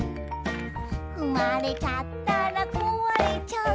「ふまれちゃったらこわれちゃう」